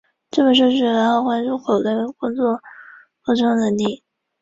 只有少数非国家公务员能升任到此阶级。